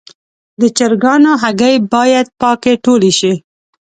د چرګانو هګۍ باید پاکې ټولې شي.